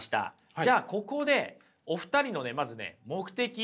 じゃあここでお二人のねまずね目的意識。